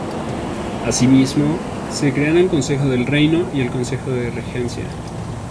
Asimismo, se crean el Consejo del Reino y el Consejo de Regencia.